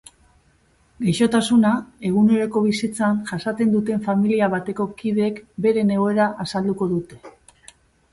Gaixotasuna eguneroko bizitzan jasaten duten familia bateko kideek beren egoera azalduko dute.